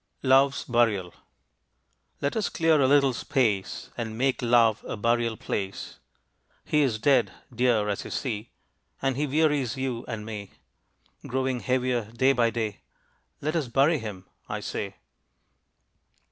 LOVE'S BURIAL. Let us clear a little space, And make Love a burial place. He is dead, dear, as you see, And he wearies you and me, Growing heavier, day by day, Let us bury him, I say.